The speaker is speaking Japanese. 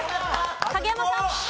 影山さん。